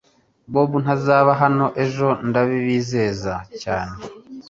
Bobo ntazaba hano ejo Ndabizeza cyane